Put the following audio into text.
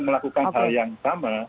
melakukan hal yang sama